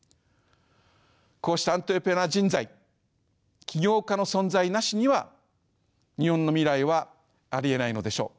こうしたアントレプレナー人材起業家の存在なしには日本の未来はありえないのでしょう。